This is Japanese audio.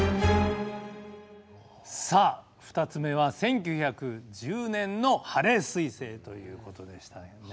さあ２つ目は１９１０年の「ハレー彗星」ということでしたけどね。